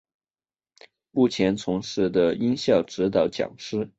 目前从事的音效指导讲师。